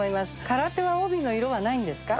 空手は帯の色はないんですか？